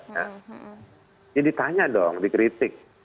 jadi ditanya dong dikritik